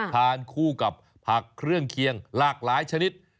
ทานคู่กับผักเครื่องเคียงหลากหลายชนิด